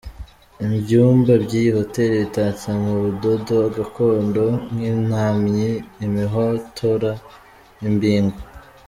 Ibyumba by’iyi hoteli bitatse mu budodo gakondo nk’intamyi, imihotora, imbingo.